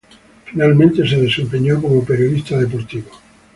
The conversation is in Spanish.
Finalmente se desempeñó como periodista deportivo.